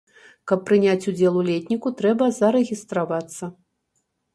Каб прыняць удзел у летніку, трэба зарэгістравацца.